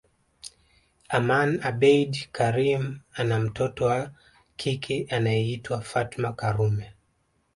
Aman abeid Karim ana mtoto wa kike anayeitwa Fatma Karume